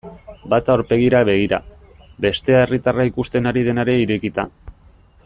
Bata aurpegira begira, bestea herritarra ikusten ari denari irekita.